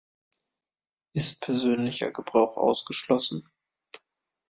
Ist persönlicher Gebrauch ausgeschlossen?